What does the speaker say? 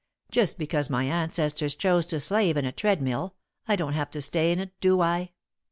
Just because my ancestors chose to slave in a treadmill, I don't have to stay in it, do I?